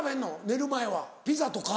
寝る前はピザとか？